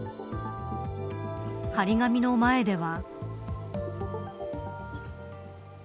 張り紙の前では。